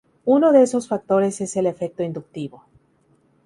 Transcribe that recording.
Uno de esos factores es el efecto inductivo.